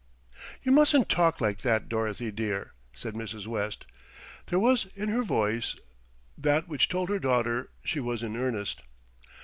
"You mustn't talk like that, Dorothy dear," said Mrs. West. There was in her voice that which told her daughter she was in earnest.